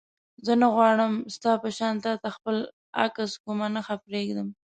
زه نه غواړم ستا په شان تا ته خپل عکس کومه نښه پرېږدم.